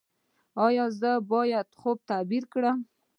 ایا زه باید خوب تعبیر کړم؟